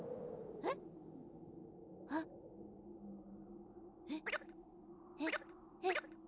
えっ？えっ？えっ？えっ？